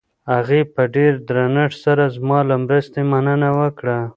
هغې په ډېر درنښت سره زما له مرستې مننه وکړه.